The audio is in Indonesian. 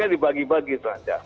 kan dibagi bagi itu aja